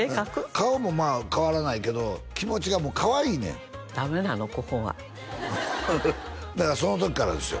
顔も変わらないけど気持ちがかわいいねんダメなのここがだからその時からですよ